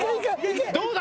どうだ？